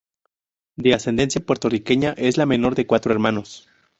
De ascendencia puertorriqueña, es la menor de cuatro hermanos.